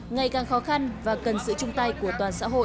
ngày càng khó khăn và cần sự chung tay của toàn xã hội